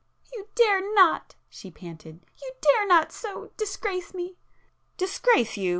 "You dare not!" she panted—"You dare not so ... disgrace me!" "Disgrace you!"